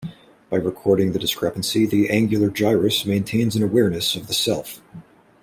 By recording the discrepancy, the angular gyrus maintains an awareness of the self.